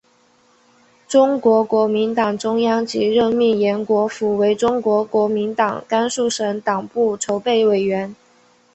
中国国民党中央即任命延国符为中国国民党甘肃省党部筹备委员。